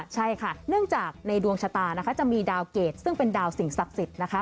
ใช่ค่ะเนื่องจากในดวงชะตานะคะจะมีดาวเกรดซึ่งเป็นดาวสิ่งศักดิ์สิทธิ์นะคะ